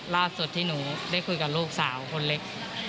ล่าสุดที่หนูได้คุยกับลูกสาวคนเล็ก